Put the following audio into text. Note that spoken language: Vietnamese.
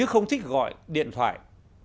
và chỉ thích gọi điện thoại